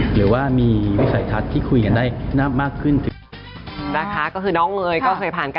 หรือว่ามีวิสัยทัศน์ที่คุยกันได้มากขึ้น